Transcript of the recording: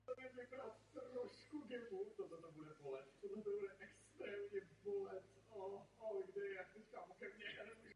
Byly vyhlášeny za kulturní památku a jsou majetkem města.